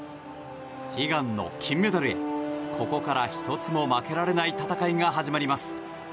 悲願の金メダルへここから１つも負けられない戦いが始まります。